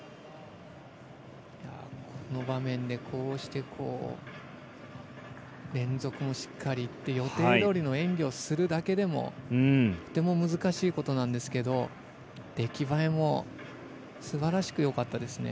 この場面でこうして連続もしっかりって予定どおりの演技をするだけでもとても難しいことなんですけど出来栄えもすばらしくよかったですね。